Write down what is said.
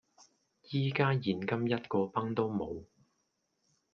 依家現金一個鏰都冇